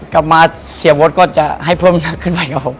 กลับมาเสียมดก็จะให้เพิ่มหนักขึ้นไปครับผม